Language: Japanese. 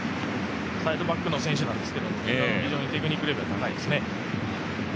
サイドバックの選手ですが非常にテクニックレベル高いですね。